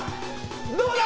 どうだ？